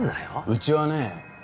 うちはね